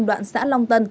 đoạn xã long tân